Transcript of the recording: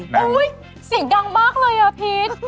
นางอุ๊ยสิ่งดังมากเลยพีช